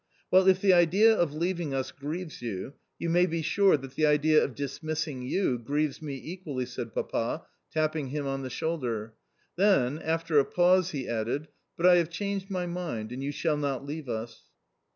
"Well, if the idea of leaving us grieves you, you may be sure that the idea of dismissing you grieves me equally," said Papa, tapping him on the shoulder. Then, after a pause, he added, "But I have changed my mind, and you shall not leave us."